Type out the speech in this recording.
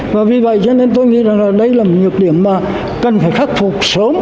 và vì vậy cho nên tôi nghĩ là đây là một nhược điểm mà cần phải khắc phục sớm